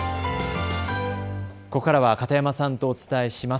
ここからは片山さんとお伝えします。